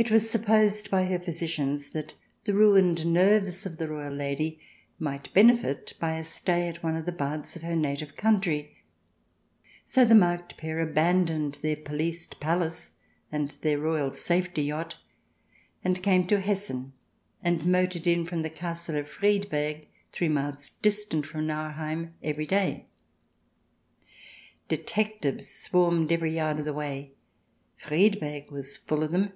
It was supposed by her physicians that the ruined nerves of the royal lady might benefit by a stay at one of the baths of her native country, so the marked pair abandoned their policed palace and their royal safety yacht, and came to Hessen, and motored in from the Castle of Friedberg, three miles distant from Nauheim, every day. Detectives swarmed every yard of the way ; Friedberg was full of them.